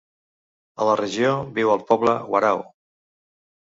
A la regió viu el poble "warao".